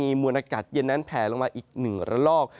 ที่จะมีหม่อนากัดเย็นนั้นแผลลงมาอีกหนึ่งระลอก